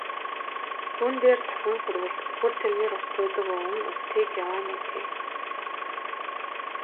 Түүн дээр давхин хүрвэл үхэр тэргээр ус зөөдөг өвгөн ус тээж яваа нь ажээ.